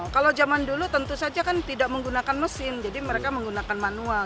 kalau zaman dulu tentu saja kan tidak menggunakan mesin jadi mereka menggunakan manual